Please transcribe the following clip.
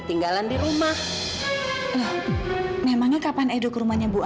nggak tuh bu